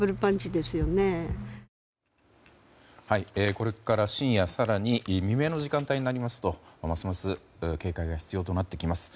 これから深夜、更に未明の時間帯になりますとますます警戒が必要になってきます。